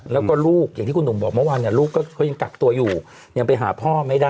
แล้วก็ลูกอย่างที่คุณหนุ่มบอกเมื่อวานเนี่ยลูกก็ยังกักตัวอยู่ยังไปหาพ่อไม่ได้